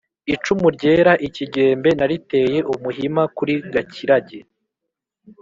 icumu ryera ikigembe nariteye umuhima kuri Gakirage,